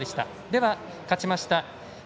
では、勝ちました